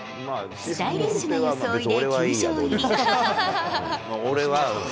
スタイリッシュな装いで球場入り。